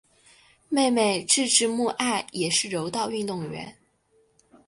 妹妹志志目爱也是柔道运动员。